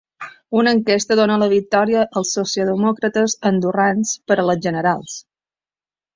Una enquesta dóna la victòria als socialdemòcrates andorrans per a les generals.